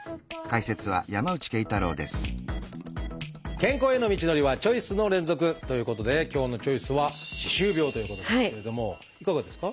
健康への道のりはチョイスの連続！ということで今日の「チョイス」はいかがですか？